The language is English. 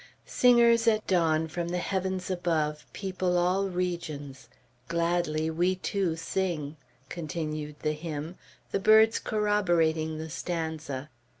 "Singers at dawn From the heavens above People all regions; Gladly we too sing," continued the hymn, the birds corroborating the stanza.